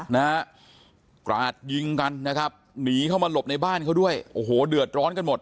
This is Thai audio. นะฮะกราดยิงกันนะครับหนีเข้ามาหลบในบ้านเขาด้วยโอ้โหเดือดร้อนกันหมด